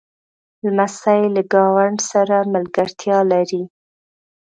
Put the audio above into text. لمسی له ګاونډ سره ملګرتیا لري.